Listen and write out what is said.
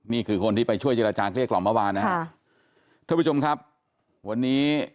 นี่คือคนที่ไปช่วยเจรจาเกลี้ยกล่อมเมื่อวานนะฮะท่านผู้ชมครับวันนี้